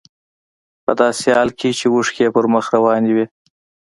په داسې حال کې چې اوښکې يې پر مخ روانې وې.